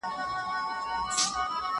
زه به ونې ته اوبه ورکړې وي!؟